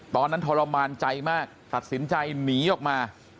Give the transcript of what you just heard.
ตอนนั้นทรมานใจมากตัดสินใจหนีออกมา